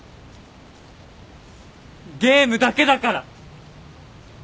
ゲームだけだから！